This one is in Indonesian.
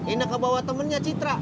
ini kebawa temennya citra